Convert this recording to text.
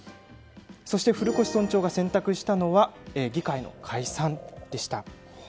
そして、古越村長が選択したのは議会の解散でした。